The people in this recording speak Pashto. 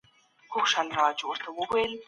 بد فکر بدن کمزوری کوي